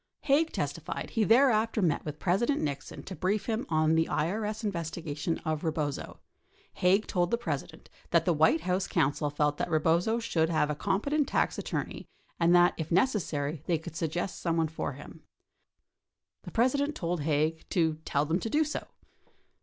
52 Haig testified he thereafter met with President Nixon to brief him on the. IES investigation of Eebozo. Haig told the President that the White House counsel felt that Eebozo should have a competent tax attorney and that if necessary they could suggest someone for him. The President told Haig to "tell them to do so."